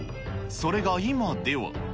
それが今では。